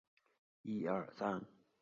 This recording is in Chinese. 本部纹章为五三桐。